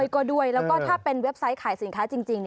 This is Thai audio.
ก็ด้วยแล้วก็ถ้าเป็นเว็บไซต์ขายสินค้าจริง